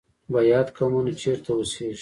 بیات قومونه چیرته اوسیږي؟